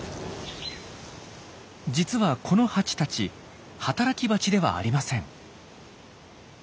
実はこのハチたち働きバチではありません。